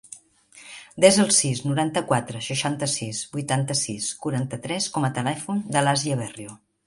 Desa el sis, noranta-quatre, seixanta-sis, vuitanta-sis, quaranta-tres com a telèfon de l'Àsia Berrio.